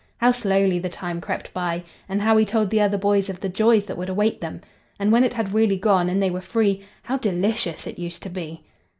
How slowly the time crept by, and how he told the other boys of the joys that would await them! And when it had really gone, and they were free! how delicious it used to be!